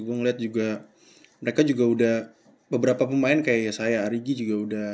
gue ngeliat juga mereka juga udah beberapa pemain kayak saya arigi juga udah